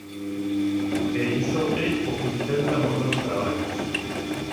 E iso é o que intentan os meus traballos.